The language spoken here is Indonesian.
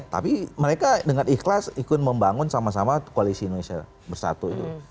tapi mereka dengan ikhlas ikut membangun sama sama koalisi indonesia bersatu itu